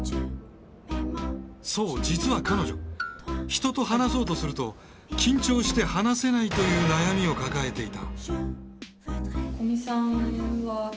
そう実は彼女人と話そうとすると緊張して話せないという悩みを抱えていた。